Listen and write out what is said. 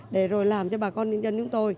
để rồi làm cho bà con nhân dân chúng tôi